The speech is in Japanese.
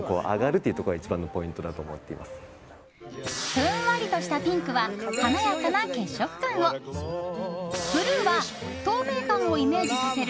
ふんわりとしたピンクは華やかな血色感をブルーは透明感をイメージさせる